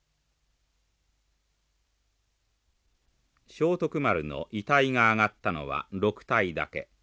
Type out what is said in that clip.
正徳丸の遺体があがったのは６体だけ。